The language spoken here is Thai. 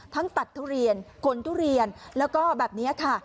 ตัดทุเรียนขนทุเรียนแล้วก็แบบนี้ค่ะ